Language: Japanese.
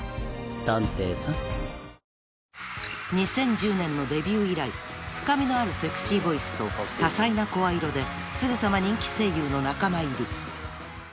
「探偵さん」［２０１０年のデビュー以来深みのあるセクシーボイスと多彩な声色ですぐさま人気声優の仲間入り］